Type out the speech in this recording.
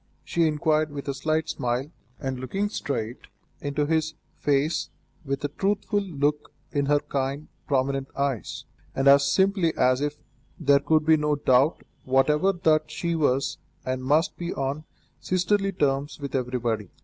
she inquired with a slight smile, and looking straight into his face with a trustful look in her kind, prominent eyes, and as simply as if there could be no doubt whatever that she was and must be on sisterly terms with everybody.